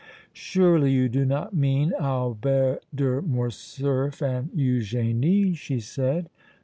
"Surely you do not mean Albert de Morcerf and Eugénie?" she said.